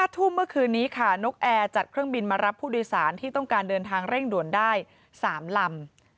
ทุ่มเมื่อคืนนี้ค่ะนกแอร์จัดเครื่องบินมารับผู้โดยสารที่ต้องการเดินทางเร่งด่วนได้๓ลำ